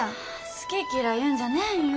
好き嫌い言うんじゃねんよ。